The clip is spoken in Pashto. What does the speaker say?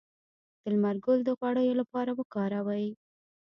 د لمر ګل د غوړیو لپاره وکاروئ